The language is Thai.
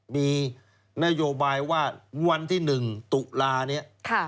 มีนโยบายว่าวันที่๑ตุลาเนี่ย